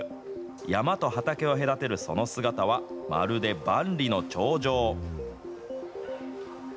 山と畑を隔てるその姿は、まるで万里の長城。